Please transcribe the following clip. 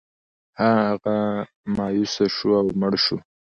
هغه مایوسه شو او مړ شو.